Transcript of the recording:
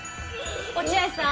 落合さん